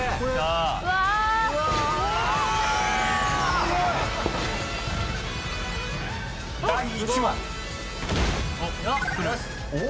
すごい！［第１問］